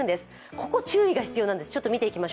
ここ、注意が必要なんです。